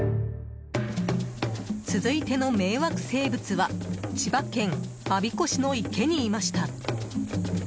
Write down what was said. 続いての迷惑生物は千葉県我孫子市の池にいました。